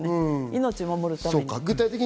命を守るために。